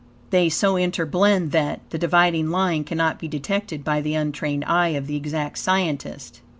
They so interblend that, the dividing line cannot be detected by the untrained eye of the exact scientist.